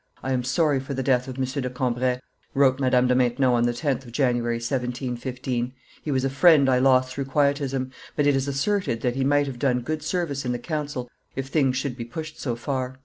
"I am sorry for the death of M. de Cambrai," wrote Madame de Maintenon on the 10th of January, 1715; "he was a friend I lost through Quietism, but it is asserted that he might have done good service in the council, if things should be pushed so far."